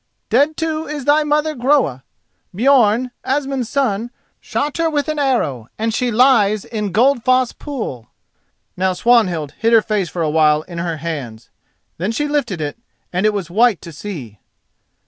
Dead, too, is thy mother, Groa. Björn, Asmund's son, shot her with an arrow, and she lies in Goldfoss pool." Now Swanhild hid her face for a while in her hands. Then she lifted it and it was white to see.